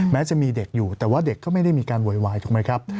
แม้จะมีเด็กอยู่แต่ว่าเด็กก็ไม่ได้มีการโวยวายถูกไหมครับ